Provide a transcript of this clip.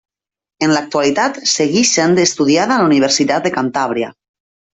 En l'actualitat segueix sent estudiada per la Universitat de Cantàbria.